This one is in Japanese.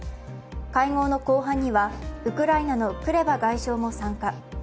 会合の後半には、ウクライナのクレバ外相も参加。